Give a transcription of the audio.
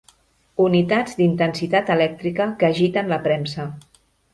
Unitats d'intensitat elèctrica que agiten la premsa.